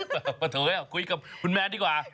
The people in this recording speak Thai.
แบบประโถย่ะคุยกับคุณแมนดีกว่า